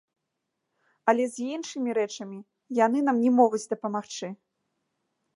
Але з іншымі рэчамі яны нам не могуць дапамагчы.